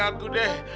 saya ngaku deh